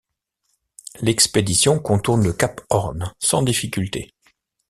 L'expédition contourne le cap Horn sans difficulté.